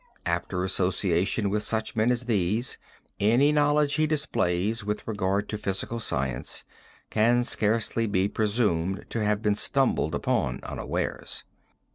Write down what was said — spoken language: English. After association with such men as these, any knowledge he displays with regard to physical science can scarcely be presumed to have been stumbled upon unawares.